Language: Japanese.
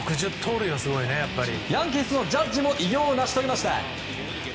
ヤンキースのジャッジも偉業を成し遂げました。